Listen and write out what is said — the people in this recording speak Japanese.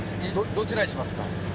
どちらにしますか？